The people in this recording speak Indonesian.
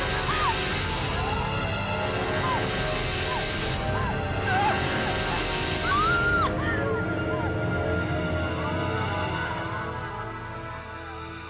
rasakan pembahasanku nanti